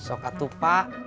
besok katu pak